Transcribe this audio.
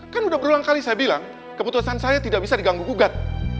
kan udah berulang kali saya bilang keputusan saya tidak bisa diganggu gugat